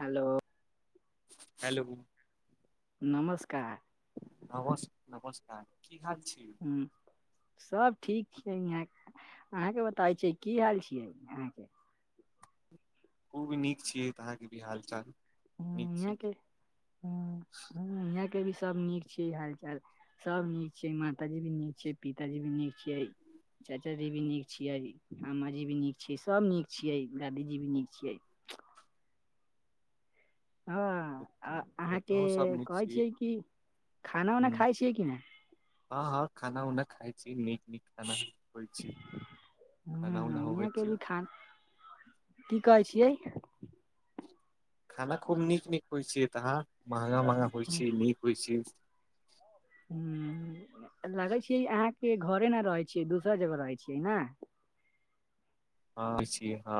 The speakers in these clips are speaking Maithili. हेलो हेलो नमस्कार नमस्- नमस्कार की हाल छै। हम्म सब ठीक छै यहाँ के। अहाँके बताबै छिय की हाल छियै अहाँके? ओ भी नीक छिय। अहाँ के की हाल चाल नीक छी? यहाँ के भी सब नीक छीये हाल- चाल। सब नीक छै माताजी भी नीक छै, पिताजी भी नीक छियै। चाचाजी भी नीक छियै, अमाजी भी नीक छियै, सभ नीक छियै, दादीजी भी नीक छियै। ह अहाँके एतहु सब नीक कहै छी छियै कि खाना उना खाय छियै कि नै? ह - ह खाना - उना खाइ छी नीक - नीक खाना। बै छी, ह खाना उना होबै यहाँके छी। भी खान की कहै छियै? खाना खूब नीक - नीक होइ छीये तहन महंगा- महंगा होइ छी नीक होइ छी। ह लागै छीये अहाँके घरे न रहै छियै, दूसरा जगह रहै छियै न। ह छी ह।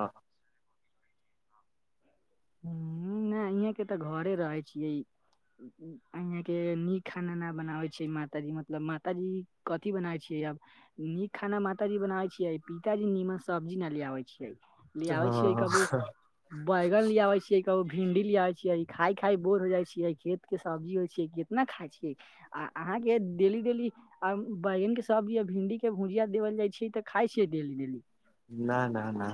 नाय इहे के तऽ घरे रहै छियै। यहाँ के नीक खाना न बनाबै छै माताजी। मतलब माताजी कथि बनाबै छै आब। नीक खाना माता जी बनावे छियै पिताजी नीमन सब्जी न लियाबे छियै। ले तऽ आबै छियै हँ ककरो बाय केयाबे छियै को भिंडी लिया आबे छियै, इ खाय- खाय बोर हो जा छिय, खेत के सबजी होइ छियै केतना खाय छीयै। आ अहाँके डेली - डेली आ बैंगन के सबजी आ भिंडी के भुजिया देबल जाइ छैै तऽ खाय छीयै डेली - डेली। ना - ना - ना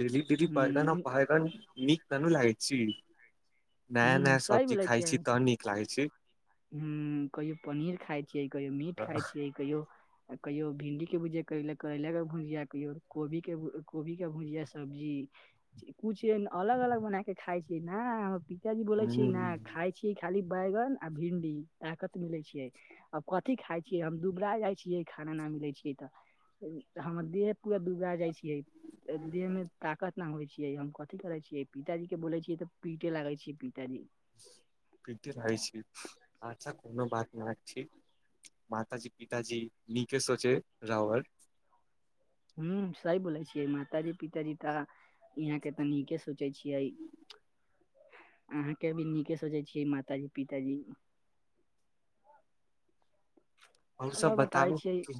दीदी - दीदी बैगन आ हूं भैगन नीक त नै लागे छी। नया - हूं नया सही सब्जी खाइ छी तहन नीक लागै छै। हु कहियो पनीर खाय छियै, कहियो मीट खाय ह छियै, कहियो आ कहियो भिंडीके भुजिया कर करैलाके भुजिया, कहियो कोबीके, कोबीकेँ भुजिया सब्जी कुछ अलग अलग बना के खाय छीये न। हमर पी त्यागी बोले छी न खाय छीे, खाली बैंगन आ भिंडी आ कत मिले छियै। आब कथि खाय छियै, हम दुबरा जाय छियै, खाना ना मिलै छियै तऽ। हमर देह पूरा दुबा जाय छियै। देह मे ताकत ना होइ छियै हम कथी करै छियै, पिताजी के बोले छियै तऽ पीटे लागै छियै पिताजी। पिटे लागै छीये आछा कोनो बात न छी। माताजी, पिताजी निके सोचे रावर। हू सही बोलै छियै माताजी पिताजी ता यहाँ के तऽ नीके सोचे छियै। अहाँके भी नीके सोचै छियै मातााजी, पिताजी। अहूँसभ आओर बताबै बताउ छियै कि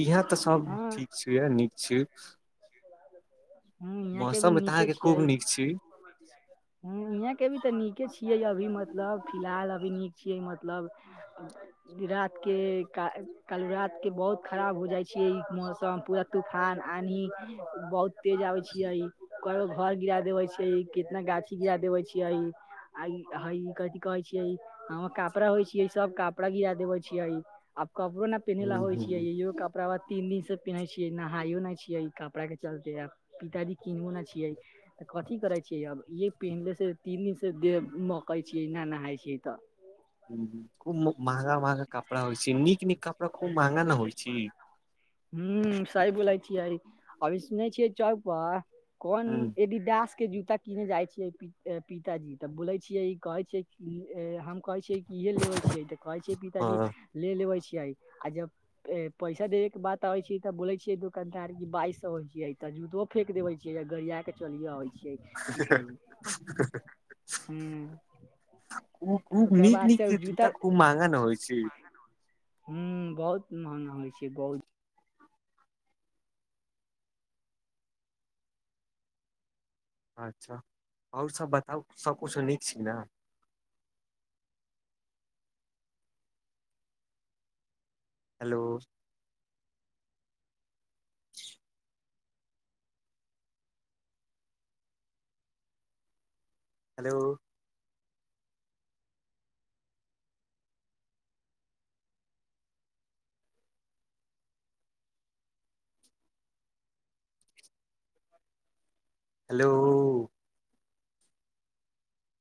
इहे तऽ सभ हँ ठीक छीये नीक छी। हू। मौसम एतऽ अहाँके खूब नीक छी। ह यहाँ के भी तऽ नीके छियै अभी मतलब फिलहाल अभी नीक छियै मतलब [unintelligible] रात के कालहि रातके बहुत खराब हो जाइ छियै इ मौसम पूरा तूफान आनी बहुत तेज आबै छियइ। करो घर गिरा देवे छै, कितना गाछी गिरा देवे छीयइ आई हइ कहै छियै हम कपड़ा होइ छियै सब कपड़ा गिरा देबे छियैइ। आब कपड़ो न हूँ पेनीहिला होइ छियै, इहो कपड़ा बा तीन दिन से पिनहइ छियै, नहाइयो नै छिये, इ कपड़ा के चलते। आब पिताजी के मोना छिये। तऽ कथी करै छियै अब ई पीहिनले से तीन दिन से देह महकई छियै, ना नहाय छियै तऽ। हुं- हुं, खूब महंगा- महंगा कपड़ा होइ छै, नीक नीक कपड़ा खूब महगा न होइ छै। हूं सही बोलै छिय, अभी सुनै छिय चौक पर कौन हूँ एडी दास के जूता किने जाइ छिय पि पिताजी, तऽ बोलै छिय कहै छिय की हम कहै छिय इहे लेबै छिय तऽ कहै छिय पिताजी हँ ले लेबै छिय आ जब पैसा देबैके बाद तबे छिय तऽ बोले छीय, दुकानदार की बाइस सौ होइ छिय, त जूतो फेक देवे छियै या गरिया के चलियो आबे छिय पिताजी हुंउ खु - खूब नीक- नीक जूता खूब महंगा ना होइ छै। हुं बहुत मंहगा होइ छै बहुत। अच्छा और सब बताउ सब कुस नीक छी न। Hello hello hello